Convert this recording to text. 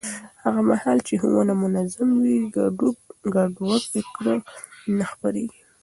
هغه مهال چې ښوونه منظم وي، ګډوډ فکر نه خپرېږي.